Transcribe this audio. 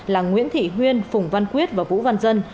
là nguyễn thị huyên phùng văn quyết và vũ văn dân